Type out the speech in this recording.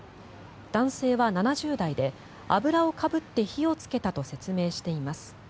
男性は７０代で油をかぶって火をつけたと説明しています。